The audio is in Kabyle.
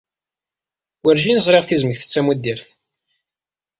Werjin ẓriɣ tizmekt d tamuddirt.